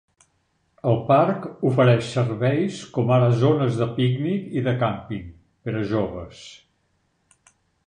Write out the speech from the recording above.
El parc ofereix serveis com ara zones de pícnic i de càmping per a joves.